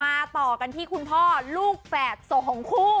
ต่อกันที่คุณพ่อลูกแฝดโศกของคู่